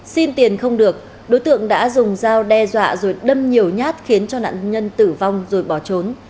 xin tiền không được đối tượng đã dùng dao đe dọa rồi đâm nhiều nhát khiến cho nạn nhân tử vong rồi bỏ trốn